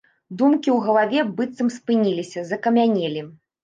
Думкі ў галаве быццам спыніліся, закамянелі.